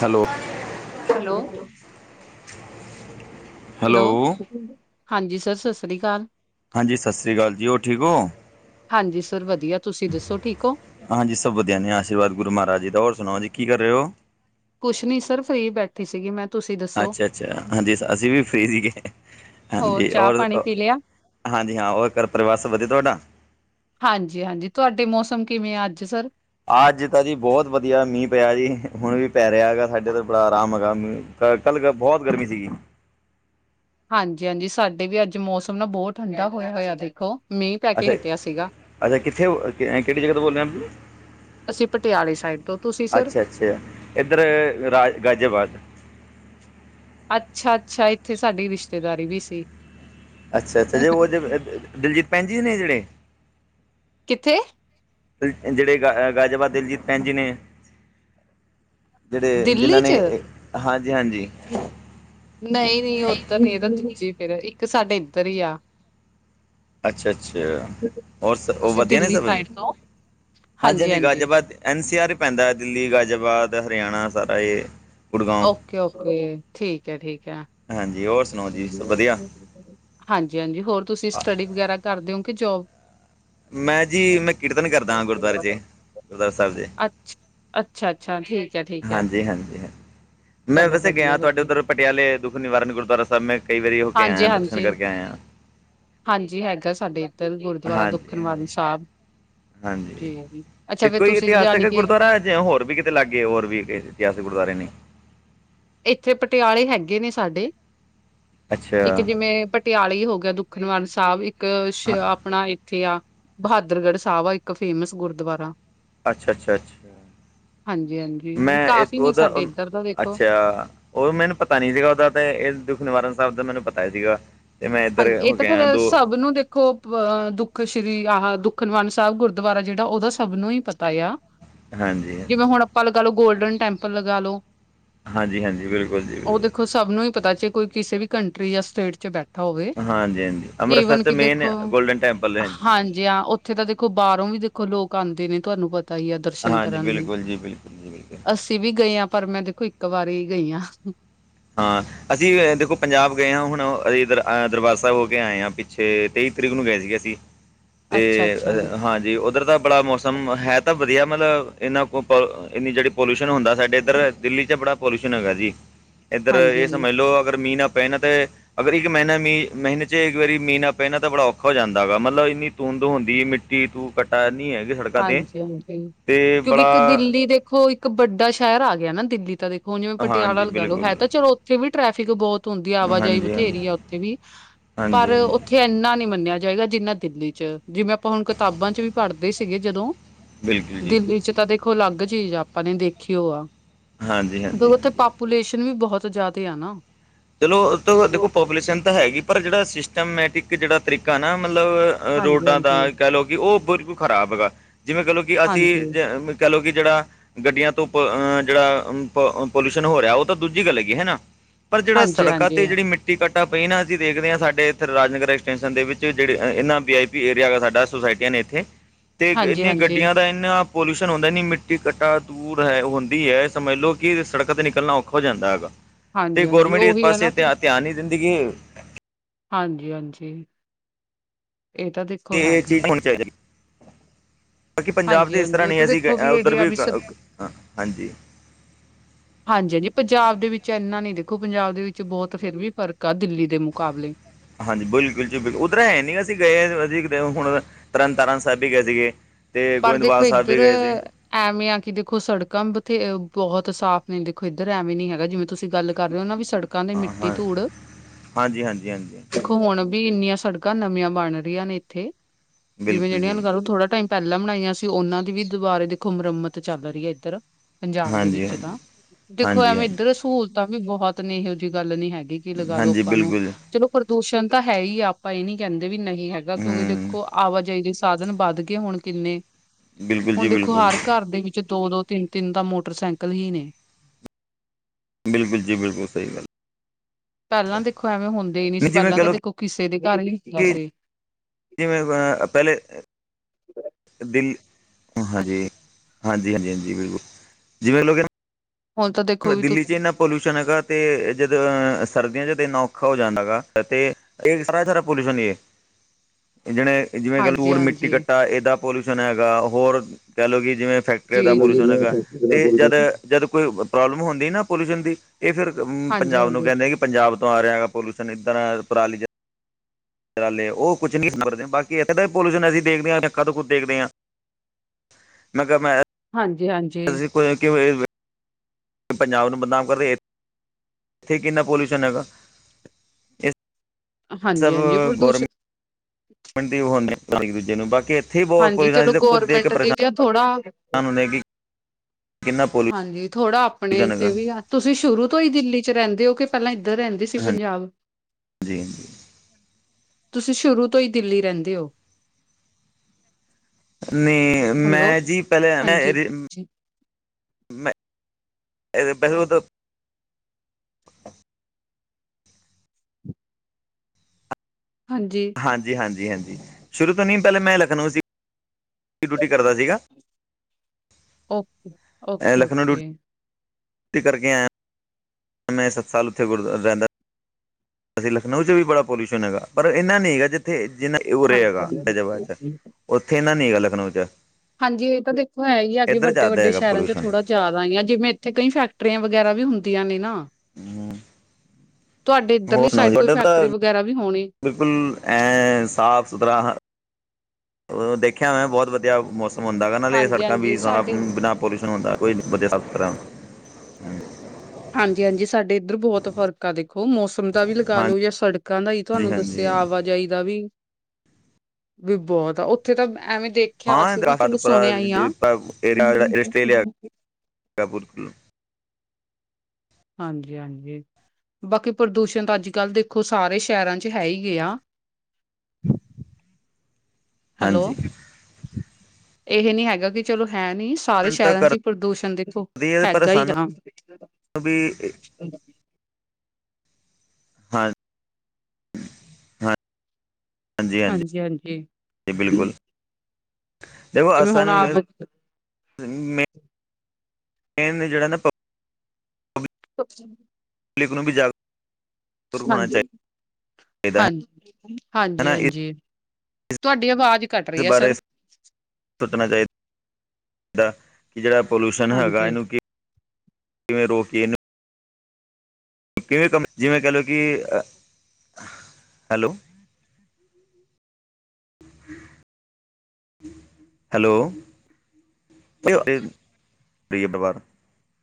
Hello. Hello. [unintelligible] Hello, ਹਾਂਜੀ sir Sat Sri ਅਕਾਲ। ਹਾਂਜੀ ਸਤਿ ਸ਼੍ਰੀ ਅਕਾਲ ਜੀ ਹੋਰ ਠੀਕ ਹੋ? ਹਾਂਜੀ, ਸਰ ਵਧੀਆ ਤੁਸੀਂ ਦੱਸੋ ਠੀਕ ਹੋ? ਹਾਂਜੀ ਸਭ ਵਧੀਆ ਨੇ ਆਸ਼ੀਰਵਾਦ ਗੁਰੂ ਮਹਾਰਾਜ ਜੀ ਦਾ ਹੋਰ ਸੁਣਾਓ ਜੀ ਕੀ ਕਰ ਰਹੇ ਹੋ। ਕੁਛ ਨੀ ਸਰ ਫਰੀ ਬੈਠੀ ਸੀਗੀ ਮੈਂ। ਤੁਸੀਂ ਦੱਸੋ? ਅੱਛਾ-ਅੱਛਾ ਹਾਂਜੀ ਅਸੀਂ ਵੀ ਫਰੀ ਸੀਗੇ, ਹੋਰ ਹਾਂਜੀ ਚਾਹ ਔਰ ਪਾਣੀ ਪੀ ਲਿਆ? ਹਾਂਜੀ ਹਾਂ ਹੋਰ ਘਰ ਪਰਿਵਾਰ ਸਭ ਵਧੀਆ ਤੁਹਾਡਾ? ਹਾਂਜੀ-ਹਾਂਜੀ, ਤੁਹਾਡੇ ਮੌਸਮ ਕਿਵੇਂ ਆ ਅੱਜ ਸਰ? ਅੱਜ ਤਾਂ ਜੀ ਬਹੁਤ ਵਧੀਆ ਮੀਂਹ ਪਿਆ ਜੀ ਹੁਣ ਵੀ ਪੈ ਰਿਹਾ ਹੈਗਾ ਸਾਡੇ ਤੋਂ ਬੜਾ ਆਰਾਮ ਹੈਗਾ ਮੀਂਹ ਕ, ਕੱਲ੍ਹ ਗ ਬਹੁਤ ਗਰਮੀ ਸੀਗੀ। ਹਾਂਜੀ ਹਾਂਜੀ ਸਾਡੇ ਵੀ ਅੱਜ ਮੌਸਮ ਨਾ ਬੋਤ ਠੰਡਾ ਹੋਇਆ ਹੋਇਆ ਦੇਖੋ। ਮੀਂਹ ਪੈ ਅੱਛਾ, ਕੇ ਹਟਿਆ ਸੀਗਾ। ਅੱਛਾ ਕਿੱਥੇ, ਉ, ਕਿਹੜੀ, ਜਗਾ ਤੋਂ ਬੋਲ ਦਿਉ। ਅਸੀਂ ਪਟਿਆਲੇ ਸਾਈਡ ਤੋਂ ਤੁਸੀਂ ਸਰ। ਅੱਛਾ ਅੱਛਾ ਇੱਧਰ ਰਾਜ ਗਾਜ਼ਿਆਬਾਦ। ਅੱਛਾ-ਅੱਛਾ। ਇੱਥੇ ਸਾਡੀ ਰਿਸ਼ਤੇਦਾਰੀ ਵੀ ਸੀ। ਅਛਾ-ਅੱਛਾ। ਜ' ਉਹ ਦਿਲਜੀਤ ਭੈਣ ਜੀ ਨਹੀਂ ਜਿਹੜੇ। ਕਿੱਥੇ ਜਿਹੜੇ, ਗ, ਗਾਜਵਾ ਦਿਲਜੀਤ ਭੈਨ ਜੀ ਨੇ। ਜਿਹੜੇ, ਦਿੱਲੀ ਜਿਨਾਂ, ਚ? ਨੇ, ਹਾਂਜੀ ਹਾਂਜੀ। ਨ ਈ-ਨੀ ਔਧਰ ਨੀ ਏਗਾ। ਤੁ ਸੀ ਫਿਰ ਇੱਕ ਸਾਡੇ ਇੱਧਰ ਹੀ ਆ ਅੱਛਾ-ਅੱਛਾ, ਹੋਰ ਸ ਉਹ ਤੁਸੀਂ ਵਧੀਆ ਨੇ ਦਿੱਲੀ ਸਬ? ਸਾਈਡ ਤੋਂ ਅੱਜ ਅਸੀ ਹਾਂਜੀ-ਹਾਂਜੀ, ਗੱਜਵੱਜ ਐੱਨ ਸੀ ਆਰ ਹੀ ਪੈਂਦਾ ਦਿੱਲੀ, ਗਾਜ਼ੀਆਬਾਦ, ਹਰਿਆਣਾ ਸਾਰਾ ਇਹ, ਗੁੜਗਾਓ। ਓਕੇ-ਓਕੇ ਠੀਕ ਹੈ ਠੀਕ ਹੈ। ਹਾਂਜੀ ਹੋਰ ਸੁਣਾਓ ਜੀ ਸਭ ਵਧੀਆ ਹਾਂਜੀ-ਹਾਂਜੀ, ਹੋਰ ਤੁਸੀ ਸਟੱਡੀ ਵਗੈਰਾ ਕਰਦੇ ਹੋ ਕਿ ਜੋਬ? ਮੈਂ ਜੀ, ਮੈਂ ਕੀਰਤਨ ਕਰਦਾ ਹਾਂ ਗੁਰਦੁਆਰੇ ਚ। ਗੁਰਦੁਆਰਾ ਸਾਬ ਜੀ, ਅੱਛ ਅੱਛਾ-ਅੱਛਾ, ਠੀਕ ਐ, ਠੀਕ ਐ, ਹਾਂਜੀ ਹਾਂਜੀ ਹਾ। ਮੈਂ ਚਲੋ ਵੈਸੇ ਗਿਆ ਵਧੀਆ-ਵਧੀਆ। ਉਧਰ ਪਟਿਆਲੇ ਦੁੱਖ ਨਿਵਾਰਨ ਗੁਰਦੁਆਰਾ ਸਾਹਿਬ ਮੈਂ ਕਈ ਵਾਰੀ ਹੋ ਕੇ ਆਇਆ ਹਾਂਜੀ-ਹਾਂਜੀ, ਦਰਸ਼ਨ ਹਾਂਜੀ ਹਾਂਜੀ। ਕਰਕੇ ਆਇਆ। ਹਾਂਜੀ, ਹੈਗਾ ਸਾਡੇ ਇੱਧਰ, ਗੁਰਦੁਆਰਾ ਹਾਂਜੀ ਦੁੱਖਨਿਵਾਰਨ ਹਾਂਜੀ ਸਾਹਿਬ। ਹਾਂਜੀ, ਜੀ, ਜੀ। ਅੱਛਾ ਫੇਰ ਇੱਕੋ ਹੀ ਤੁਸੀਂ ਯਾਨੀ ਇਤਿਹਾਸਿਕ ਕਿ ਗੁਰਦੁਆਰਾ ਜੇ ਹੋਰ ਵੀ ਲਾਗੇ ਹੋਰ ਵੀ ਇਤਿਹਾਸਿਕ ਗੁਰਦੁਆਰੇ ਨੇ। ਏਥੇ ਪਟਿਆਲੇ ਹੈਗੇ ਨੇ ਸਾਡੇ ਇੱਕ ਅੱਛਾ ਜਿਵੇਂ ਪ ਪਟਿਆਲੇ ਹੀ ਹੋ ਗਿਆ ਦੁੱਖ ਨਿਵਾਰਨ ਸਾਹਿਬ ਇੱਕ ਹਾਂ, ਆਪਣਾ ਇੱਥੇ ਆ। ਬਹਾਦਰਗੜ੍ਹ ਸਾਹਿਬ ਆ ਇੱਕ ਫੇਮਸ ਗੁਰਦੁਆਰਾ। ਅੱਛਾ-ਅੱਛਾ-ਅੱਛਾ। ਹਾਂਜੀ-ਹਾਂਜੀ ਵੀ ਮੈਂ ਕਾਫ਼ੀ ਨੇ ਉਹਦਾ, ਸਾਡੇ ਇੱਧਰ ਦਾ ਵੇਖੋ ਅੱਛਾ ਉਹ ਮੈਨੂੰ ਪਤਾ ਨੀ ਸੀਗਾ ਉਹਦਾ ਤੇ ਇਹ ਦੁੱਖ ਨਿਵਾਰਨ ਸਾਹਿਬ ਦਾ ਮੈਨੂੰ ਪਤਾ ਹੀ ਸੀਗਾ। ਤੇ ਮੈਂ ਇੱਧਰ ਹਾਂਜੀ ਇਹ ਹੋ ਤਾਂ ਕੇ ਆਇਆ ਫੇਰ ਦੋ ਸਭ ਨੂੰ ਦੇਖੋ ਖੋਬ ਅ ਅ ਦੁੱਖ ਸ਼੍ਰੀ ਆਹ ਦੁੱਖਨਵਾਰਨ ਸਾਹਿਬ ਗੁਰਦੁਆਰਾ ਜਿਹਦਾ ਔਹਦਾ ਸਭ ਨੂੰ ਪਤਾ ਆ ਹਾਂਜੀ ਹਾਂਜੀ ਜਿਵੇਂ ਹੁਣ ਆਪਾਂ ਲਗਾ ਲੋ ਗੋਲਡਨ ਟੈਂਪਲ ਲਗਾ ਲਓ। ਹਾਂਜੀ-ਹਾਂਜੀ ਬਿਲਕੁਲ ਜੀ ਉਹ ਬਿਲਕੁਲ। ਦੇਖੋ ਸਭ ਨੂੰ ਹੀ ਪਤਾ ਕਿ ਕੋਈ ਕਿਸੇ ਵੀ ਕੰਟਰੀ ਜਾਂ ਸਟੇਟ ਚ ਬੈਠ ਹੋਵੇ, ਹਾਂਜੀ ਹਾਂਜੀ ਅੰਮ੍ਰਿਤਸਰ ਈਵਨ ਤੇ ਕਿ ਮੇਨ ਦੇਖੋ, ਗੋਲਡਨ ਟੈਂਪਲ ਹਾਂਜੀ ਹਾਂ। ਉੱਥੇ ਤਾਂ ਦੇਖੋ ਬਾਹਰੋਂ ਵੀ ਦੇਖੋ ਲੋਕ ਆਂਦੇ ਨੇ ਤੁਹਾਨੂੰ ਪਤਾ। ਤਾ ਹੀ ਆਏ ਦਰਸ਼ਨ ਹਾਂਜੀ ਕਰਨ ਲਈ, ਬਿਲਕੁਲ ਜੀ ਬਿਲਕੁਲ ਜੀ ਬਿਲਕੁਲ ਅਸੀ। ਅਸੀਂ ਵੀ ਗਏ ਆ ਪਰ ਮੈਂ ਦੇਖੋ ਇੱਕ ਵਾਰੀ ਗਈਆ। ਹਾਂ। ਅਸੀਂ ਦੇਖੋ ਪੰਜਾਬ ਗਏ ਹਾਂ ਹੁਣ ਅਸੀਂ ਦਰਬਾਰ ਸਾਹਿਬ ਹੋ ਕੇ ਆਏ ਹਾਂ ਪਿੱਛੇ ਤੇਈ ਤਰੀਕ ਨੂੰ ਗਏ ਸੀਗੇ ਅਸੀਂ ਤੇ, ਅੱਛਾ ਅੱਛਾ ਹ, ਹਾਂਜੀ ਉੱਧਰ ਦਾ ਬੜਾ ਮੌਸਮ। ਤਮ, ਹੈ ਤਾਂ ਵਧੀਆ ਮਤਲਬ, ਇਹਨਾਂ ਕੋ ਪ, ਇੰਨੀ ਜਿਹੜੀ ਪੋਲਿਊਸ਼ਨ ਹੁੰਦਾ ਸਾਡੇ ਇੱਧਰ, ਦਿੱਲੀ 'ਚ ਬੜਾ ਪੋਲਿਊਸ਼ਨ ਹੈਗਾ ਜੀ ਇੱਧਰ ਹਾਂਜੀ ਇਹ ਸਮਝ ਲਓ ਅਗਰ ਮੀਂਹ ਨਾ ਪਏ ਨਾ ਤੇ ਅਗਰ ਇੱਕ ਮਹੀਨਾ ਮੀਂਹ ਮਹੀਨੇ 'ਚ ਇੱਕ ਵਾਰੀ ਮੀਂਹ ਨਾ ਪੈਣਾ ਤਾਂ ਬੜਾ ਔਖਾ ਹੋ ਜਾਂਦਾ ਹੈਗਾ ਮਤਲਬ ਏਨੀ ਧੂੰਦ ਹੁੰਦੀ ਮਿੱਟੀ ਧੂ ਘਟਾ ਨੀ ਹੈਗੇ ਸੜਕਾਂ ਤੇ ਹਾਂਜੀ ਹਾਂਜੀ ਤੇ ਕਿਉਂਕਿ ਇੱਕ ਬੜਾ ਦਿੱਲੀ ਦੇਖੋ ਇੱਕ ਵੱਡਾ ਸ਼ਹਿਰ ਆ ਗਿਆ ਨਾ ਦਿੱਲੀ ਤਾਂ ਦੇਖੋ ਹੁਣ ਜਿਵੇਂ ਪਟਿਆਲਾ ਹਾਂਜੀ ਲਗਾਲੋ ਬਿਲਕੁਲ ਹੈ ਤਾਂ ਚਲੋ। ਉਥੇ ਵੀ ਟ੍ਰੈਫਿਕ ਬਹੁਤ ਹੁੰਦੀ ਆਵਾਜਾਈ ਹਾਂਜੀ ਹਾਂਜੀ ਬਥੇਰੀ ਆ ਉੱਥੇ ਵੀ ਪਰ ਹਾਂਜੀ ਹਾਂਜੀ ਉੱਥੇ ਇਨਾ ਨੀ ਮੰਨਿਆ ਜਾਏਗਾ ਜਿੰਨਾ ਦਿੱਲੀ ਚ, ਜਿਵੇਂ ਆਪਾਂ ਹੁਣ ਕਿਤਾਬਾਂ ਚ ਵੀ ਪੜ੍ਹਦੇ ਸੀਗੇ, ਜਦੋਂ ਬਿਲਕੁਲ ਜੀ ਦਿੱਲੀ ਚ‌ ਤਾਂ ਦੇਖੋ ਅਲੱਗ ਚੀਜ਼ ਆਪਾਂ ਨੇ ਦੇਖੀਓ ਆ ਹਾਂਜੀ ਤੇ ਹਾਂਜੀ ਉਥੇ ਹਾਂਜੀ ਪਪ ਪਪੂਲੇਸ਼ਨ ਵੀ ਬਹੁਤ ਜ਼ਿਆਦਾ ਏ ਨਾ। ਚਲੋ ਉਹ ਤੋਂ ਦੇਖੋ ਪਾਪੂਲੇਸ਼ਨ ਤਾਂ ਹੈਗੀ ਪਰ ਜਿਹੜਾ ਸਿਸਟਮੈਟਿਕ ਜਿਹੜਾ ਤਰੀਕਾ ਨਾ ਮਤਲਬ ਹਾਂਜੀ ਰੋਡਾਂ ਦਾ ਹਾਂਜੀ ਕਹਿ ਲਓ ਕਿ ਉਹ ਬਿਲਕੁਲ ਖਰਾਬ ਹੈਗਾ ਜਿਵੇਂ ਕਹਿ ਲਓ ਕਿ ਅਸੀਂ ਹਾਂਜੀ ਜ ਕਹਿ ਲੋ ਕਿ ਜਿਹੜਾ, ਗੱਡੀਆਂ ਤੋਂ, ਪ, ਅਹ, ਜੇੜਾ, ਪੋਲਿਊਸ਼ਨ ਹੋ ਰਿਹਾ ਉਹ ਤਾਂ ਦੂਜੀ ਗੱਲ ਹੈਗੀ ਹਨਾ। ਪਰ ਜੇੜਾ, ਹਾਂਜੀ ਸੜਕਾ ਹਾਂਜੀ ਤੇ ਜਿਹੜੀ ਮਿੱ‌ ਮਿੱਟੀ ਕੱਟਾ ਪਈ ਨਾ ਅਸੀਂ ਦੇਖਦੇ ਹਾਂ ਸਾਡੇ, ਇੱਥੇ ਰਾਜਨਗਰ ਐਕਸਟੈਂਸ਼ਨ ਦੇ ਵਿੱਚ ਜਿਹੜੇ, ਅ ਇਹਨਾਂ ਵੀ ਵ ਵੀ ਏਰੀਆ ਹੈਗਾ ਸਾਡਾ ਸੋਸਾਇਟੀਆਂ ਨੇ ਇੱਥੇ ਤੇ ਹਾਂਜੀ ਏਨੀਆਂ ਹਾਂਜੀ ਗੱਡੀਆਂ ਦਾ ਏਨਾ ਪੋਲਿਊਸ਼ਨ ਹੁੰਦਾ ਨਹੀਂ, ਮਿੱਟੀ, ਕੱਟਾ, ਧੂੜ ਹੈ ਹੁੰਦੀ ਹੈ, ਸਮਝ ਲਓ ਕਿ ਸੜਕਾਂ ਤੇ ਨਿਕਲਣਾ ਔਖਾ ਹੋ ਜਾਂਦਾ ਹੈਗਾ। ਤੇ ਹਾਂਜੀ ਹਾਂਜੀ ਗੌਰਰਮੈਂਟ ਇਸ ਉਹੀ ਆ ਨਾ ਪਾਸੇ ਫਿਰ ਧਿਆਨ-ਧਿਆਨ ਨੀ ਦਿੰਦੀ ਏ। ਹਾਂਜੀ ਹਾਂਜੀ, ਇਹ ਤਾਂ ਫਿਰ ਇਹ ਚੀਜ਼ ਹੋਣੀ ਚਾਹੀਦੀ। ਬਾਕੀ ਪੰਜਾਬ 'ਚ ਹਾਂਜੀ ਇਸ ਹਾਂਜੀ ਤਰ੍ਹਾਂ ਉਹ ਨਹੀਂ ਤਾਂ ਅਸੀਂ ਗ ਦੇਖੋ ਉੱਧਰ ਇਹ ਆ ਵੀ ਸਰ ਹਾਂਜੀ। ਹਾਂਜੀ -ਹਾਂਜੀ ਪੰਜਾਬ ਦੇ ਵਿੱਚ ਇੰਨਾ ਨੀ ਦੇਖੋ ਪੰਜਾਬ ਦੇ ਵਿੱਚ ਬਹੁਤ ਫਿਰ ਵੀ ਫ਼ਰਕ ਆ ਦਿੱਲੀ ਦੇ ਮੁਕਾਬਲੇ ਹਾਂਜੀ ਬਿਲਕੁਲ ਜੀ ਬਿਲਕੁਲ ਉਧਰ ਹੈ ਨੀ ਅਸੀਂ ਗਏ ਸੀ ਹੁਣ। ਤਰਨ ਤਾਰਨ ਸਾਹਿਬ ਵੀ ਗਏ ਸੀਗੇ ਤੇ ਪਰ ਗੋਇੰਦਵਾਲ ਦੇਖੋ ਸਾਹਿਬ ਇੱਧਰ ਵੀ ਗਏ ਸੀ। ਐਵੇਂ ਆ ਕਿ ਦੇਖੋ ਸੜਕਾਂ ਬਥੇ ਬਹੁਤ ਸਾਫ਼ ਨੇ ਦੇਖੋ ਇੱਧਰ ਐਵੇਂ ਨੀ ਹੈਗਾ ਜਿਵੇਂ ਤੁਸੀਂ ਗੱਲ ਕਰ ਰਹੇ ਹੋ ਨਾ ਵੀ ਸੜਕਾਂ ਤੇ ਹਾਂ ਮਿੱਟੀ, ਹਾਂ ਧੂੜ ਹਾਂਜੀ ਹਾਂਜੀ ਹਾਂਜੀ ਹੁਣ ਵੀ ਇੰਨੀਆਂ ਸੜਕਾਂ ਨਵੀਆਂ ਬਣ ਰਹੀਆਂ ਨੇ ਇੱਥੇ ਜਿਵੇਂ ਬਿਲਕੁਲ ਜਿਹੜੀਆਂ ਜੀ ਕਰੋ ਥੋੜਾ ਪੈਂਲਾਂ ਬਣਾਈਆਂ ਸੀ ਉਨਾਂ ਦੀ ਵੀ ਦੁਬਾਰੇ ਦੇਖੋ ਮੁਰੰਮਤ ਚੱਲ ਰਹੀ ਹੈ ਇੱਧਰ। ਪੰਜਾਬ ਦੇ ਹਾਂਜੀ ਵਿੱਚ ਹਾਂਜੀ ਤਾਂ ਦੇਖੋ ਹਾਂਜੀ ਐਵੇਂ ਹਾਂਜੀ ਇੱਧਰ ਸਹੂਲਤਾਂ ਵੀ ਬਹੁਤ ਨੇ ਇਹੋ ਜਿਹੀ ਗੱਲ ਨੀ ਹੈਗੀ। ਕੀ ਲਗਾ ਲੋ ਹਾਂਜੀ ਆਪਾਂ ਨੂੰ ਬਿਲਕੁਲ ਚਲੋ ਪ੍ਰਦੂਸ਼ਣ ਤਾਂ ਹੈ ਹੀ ਆ ਆਪਾਂ ਇਹ ਨੀ ਕਹਿੰਦੇ ਵੀ ਨਹੀਂ ਹੈਗਾ, ਕਿਉਂਕਿ ਹੂੰ ਦੇਖੋ ਆਵਾਜਾਈ ਦੇ ਸਾਧਨ ਵੱਧ ਗਏ ਹੁਣ ਕਿੰਨੇ। ਬਿਲਕੁਲ ਹੁਣ ਜੀ ਦੇਖੋ ਬਿਲਕੁਲ ਹਰ ਘਰ ਦੇ ਵਿੱਚ ਦੋ -ਦੋ ਤਿੰਨ- ਤਿੰਨ ਦਾ ਮੋਟਰਸਾਈਕਲ ਹੀ ਨੇ। ਬਿਲਕੁਲ ਜੀ- ਬਿਲਕੁਲ ਸਹੀ ਗੱਲ ਪਹਿਲਾਂ ਦੇਖੋ ਐਵੇਂ ਹੁੰਦੇ ਹੀ ਨ ਨਹੀਂ ਸੀ ਜਿਵੇਂ ਪਹਿਲਾਂ ਕਹ ਤਾਂ ਲਓ ਦੇਖੋ ਕਿਸੇ ਦੇ ਘਰ ਹੀ ਹੁੰਦਾ ਕਿ ਸੀ। ਜਿਵੇਂ ਵੇਂ ਪਹਿਲੇ ਦਿ ਹਾਂਜੀ ਹਾਂਜੀ-ਹਾਂਜੀ-ਹਾਂਜੀ-ਹਾਂਜੀ ਬਿਲਕੁਲ ਜਿਵੇਂ ਲੋਕ ਨਾ ਹੁਣ ਤਾਂ ਦੇਖੋ ਵੀ ਦਿੱਲੀ 'ਚ ਤੁਸੀਂ ਇੰਨਾ ਪੋਲਿਊਸ਼ਨ ਹੈਗਾ ਤੇ ਜਦ ਸਰਦੀਆਂ ਦ ਇੰਨਾ ਔਖਾ ਹੋ ਜਾਂਦਾ ਗਾ ਤੇਇ ਇਹ ਸਾਰੇ ਤਰਫ਼ ਪੋਲਿਊਸ਼ਨ ਹੀ ਹੈ ਜਿਹੜੇ ਜਿਵੇਂ ਕਹਿ ਲੋ ਹਾਂਜੀ ਧੂੜ ਮਿੱਟੀ ਹਾਂਜੀ ਘੱਟਾ ਇਹਦਾ ਪੋਲਿਊਸ਼ਨ ਹੈਗਾ ਹੋਰ ਕਹਿ ਲਓ ਕਿ ਜਿਵੇਂ ਫੈਕਟਰੀਆਂ ਜੀ ਦਾ ਚਲੋ ਜੀ ਪੁਲਿਸਨ ਜੀ ਮੈਂ ਹੈਗਾ ਫੈਕਟਰੀ ਦਾ ਤੇ ਬੋਲ ਜਦ ਰਿਹਾ। ਜਦ ਕੋਈ ਪ੍ਰੋਬਲਮ ਹੁੰਦੀ ਨਾ ਪੋਲਿਊਸ਼ਨ ਦੀ ਇਹ ਫਿਰ ਹਾਂਜੀ ਪੰਜਾਬ ਨੂੰ ਹਾਂਜੀ ਕਹਿੰਦੇ ਕਿ ਪੰਜਾਬ ਤੋਂ ਆ ਰਿਹਾ ਹੈਗਾ ਪੋਲੂਊਸ਼ਨ ਇੱਧਰ ਪਰਾਲੀ ਹਾਲੇ ਉਹ ਕੁਛ ਨੀ ਅੰਬਰਦੇ [unintelligible] ਬਾਕੀ ਇੱਥੇ ਦਾ ਵੀ ਪੋਲੂਸ਼ਨ ਅਸੀਂ ਦੇਖਦੇ ਆ ਅੱਕਾ ਦੇ ਦੇਖਦੇ ਆ। ਮੈਂ ਕਿਹਾ ਮੈਂ ਹਾਂਜੀ- ਹਾਂਜੀ [unintelligible] ਪੰਜਾਬ ਨੂੰ ਬਦਨਾਮ ਕਰਦੇ ਇੱਥੇ ਕਿੰਨਾ ਪੋਲਿਊਸ਼ਨ ਹੈਗਾ। ਇਹ ਹਾਂਜੀ ਸਭ -ਹਾਂਜੀ ਗੌਰਮੈਂਟ ਪ੍ਰਦੂਸ਼ਣ [unintelligible] ਦੂਜੇ ਬਾਕੀ ਇੱਥੇ ਹੀ ਬਹੁਤ ਹਾਂਜੀ ਪਲਿਊਸ਼ਨ ਹੈਗਾ ਚਲੋ ਤੇ ਖੁਦ ਦੇ ਕੇ ਗੌਰਮੈਂਟ ਦੀ ਪਰੇਸ਼ਾਨ ਵੀ ਆ ਥੋੜਾ [unintelligible] ਕਿ ਕਿੰਨਾ ਪੋਲ ਹਾਂਜੀ ਥੋੜਾ ਆਪਣੇ ਤੇ ਵੀ ਆ ਤੁਸੀਂ ਸ਼ੁਰੂ ਤੋਂ ਹੀ ਦਿੱਲੀ 'ਚ ਰਹਿੰਦੇ ਹੋ ਕੇ ਪਹਿਲਾਂ ਇੱਧਰ ਰਹਿੰਦੇ ਸੀ। ਅਸੀਂ ਪੰਜਾਬ ਹਾਂਜੀ ਹਾਂਜੀ ਤੁਸੀਂ ਸ਼ੁਰੂ ਤੋਂ ਹੀ ਦਿੱਲੀ ਰਹਿੰਦੇ ਹੋ। ਨਹੀਂ ਹੈਲੋ ਮੈਂ ਜੀ ਪਹਿਲ ਮੈਂ ਹਾਂਜੀ, ਮੈਂ ਇਹ ਪਹਿਲਾਂ ਤੋਂ ਹਾਂਜੀ ਜੀ ਹਾਂਜੀ- ਹਾਂਜੀ ਸ਼ੁਰੂ ਤੋਂ ਨਹੀਂ ਪਹਿਲਾਂ ਮੈਂ ਲਖਨਊ ਸੀ ਡਿਊਟੀ ਕਰਦਾ ਸੀਗਾ। ਓਕੇ- ਓਕੇ- ਓਕੇ ਤੇ ਕਰਕੇ ਆਇਆ। ਮੈਂ ਸਤ ਸਾਲ ਉਥੇ ਗੁਰ ਰਹਿੰਦਾ। ਅਸੀ ਲਖਨਊ 'ਚ ਵੀ ਬੜਾ ਪੋਲਿਊਸ਼ਨ ਹੈਗਾ ਪਰ ਇੰਨਾ ਨੀ ਹੈਗਾ ਜਿੱਥੇ ਅ ਜਿੰਨਾ ਉਰੇ ਹੈਗਾ ਹਾਂਜੀ-ਹਾਂਜੀ। ਹਾਂਜੀ ਹੇਜਾਬਾਦ 'ਚ ਹਾਂਜੀ ਉੱਥੇ, ਇਹ ਨੀ ਗਾ ਲਖਨਊ ਚ। ਹਾਂਜੀ, ਇਹ ਤਾਂ ਦੇਖੋ ਹੈ ਹੀ ਆ ਕਿ ਇੱਧਰ ਵੱਡੇ ਜ਼ਿਆਦਾ ਵੱਡੇ ਹੈਗਾ ਸ਼ਹਿਰਾਂ ਚ ਪੋਲੂਸ਼ਨ ਥੋੜਾ ਜ਼ਿਆਦਾ ਆ ਜਿਵੇਂ ਇੱਥੇ ਕਈ ਫੈਕਟਰੀ ਟਰੇ, ਵਗੈਰਾ ਵੀ ਹੁੰਦੀਆਂ ਨੇ ਨਾ। [unintelligible] [unintelligible] ਤੁਹਾਡੇ ਹੋਰ ਇੱਧਰਲੀ ਸੁਣਾਓ ਸਾਈਡ, ਜੀ? ਕੋਈ ਤੁਹਾਡੇ ਫੈਕਟਰੀ ਤਾਂ ਵਗੈਰਾ ਵੀ ਹੋਣੀ। ਬਿਲਕੁਲ, ਐ ਸਾਫ਼ ਸੁਥਰਾ। ਦੇਖਿਆ, ਮੈਂ ਬਹੁਤ ਵਧੀਆ ਮੌਸਮ ਹੁੰਦਾ ਗਾ ਨਾਲੇ ਸੜਕਾਂ ਵੀ ਹਾਂਜੀ-ਹਾਂਜੀ ਸਾਡੇ ਬਿਨਾਂ ਪੋਲਿਊਸ਼ਨ ਹੁੰਦਾ ਕੋਈ, ਬੇ ਸ [unintelligible] ਹਾਂਜੀ, ਹਾਂਜੀ ਸਾਡੇ ਇੱਧਰ ਬਹੁਤ ਫ਼ਰਕ ਆ, ਦੇਖੋ ਮੌਸਮ ਦਾ ਵੀ ਲਗਾ ਲਓ ਹਾਂਜੀ ਜਾਂ ਸੜਕਾਂ ਦਾ ਤੁਹਾਨੂੰ ਹਾਂਜੀ ਦੱਸਿਆ, ਆਵਾਜਾਈ ਦਾ ਵੀ, ਵੀ ਬਹੁਤ ਆ ਉੱਥੇ ਤਾਂ ਐਵੇਂ ਦੇਖ ਹਾਂਰਾ [unintelligible] ਆਸਟ੍ਰੇਲੀਆ [unintelligible] ਹਾਂਜੀ, ਹਾਂਜੀ ਬਾਕੀ ਪ੍ਰਦੂਸ਼ਣ ਤਾਂ ਅੱਜ ਕੱਲ੍ਹ ਦੇਖੋ, ਸਾਰੇ ਸ਼ਹਿਰਾਂ ਚ ਹੈ ਹੀ ਗ ਆ। ਹੈਲੋ, ਹਾਂਜੀ ਇਹ ਨਹੀਂ ਹੈਗਾ ਕਿ ਚਲੋ ਹੈ ਨੀ। ਸਾਰੇ ਮਿਹਨਤ ਤਾਂ ਸ਼ਹਿਰਾਂ ਚ ਹੀ ਕਰਦੀ ਪ੍ਰਦੂਸ਼ਣ ਦੇਖੋ, ਹੈ ਪਰ ਹੈਗਾ ਹੀ। ਸਾਨੂੰ ਵੀ ਹਾਂ ਹਾਂ ਹਾਂਜੀ, ਹਾਂਜੀ ਹਾਂਜੀ-ਹਾਂਜੀ ਬਿਲਕੁਲ ਦੇਖੋ ਜਿਵੇਂ ਐਸਾ ਹੁਣ ਆ ਨ ਨ ਜਿਹੜਾ [unintelligible] [unintelligible] [unintelligible] ਲਿਕ ਨੂੰ ਵੀ ਜਾਵੇ। [unintelligible] ਹਾਂਜੀ। ਚਾਹੀਦਾ ਹੈ ਹਾਂਜੀ, ਹਾਂਜੀ, ਹਨਾ ਹਾਂਜੀ। ਤੁਹਾਡੀ ਆਵਾਜ਼ ਇਸ ਬਾਰੇ, ਸੋਚਣਾ ਚਾਹੀਦਾ। ਕਿ ਜਿਹੜਾ ਪੋਲਿਊਸ਼ਨ ਹੈਗਾ, ਹਾਂਜੀ। ਇਹਨੂੰ ਕਿਵੇਂ ਰੋਕਏ ਇਹਨੂੰ ਕਿਵੇਂ ਕੰਮ, ਜਿਵੇਂ ਕਹਿ ਲਓ ਕਿ ਹੈਲੋ। [unintelligible] ਹੈਲੋ, ਪ੍ਰੀਆ ਪਰਿਵਾਰ [unintelligible]